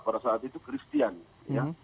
pada saat itu christian ya